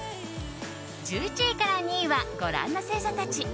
１１位から２位はご覧の星座たち。